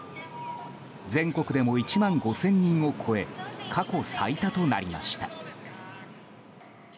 全国でも１万５０００人を超え過去最多となりました。